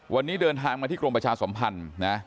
วันนี้เดินทางมาที่กรมประชาสมพันธ์นะ